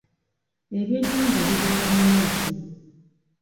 Ebyenyanja bibeera mu mazzi.